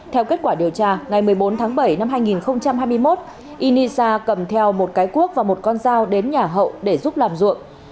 theo kết quả điều tra ngày một mươi bốn tháng bảy năm hai nghìn hai mươi một inisa cầm theo một cái cuốc và một con dao đến nhà hậu để giúp làm ruộng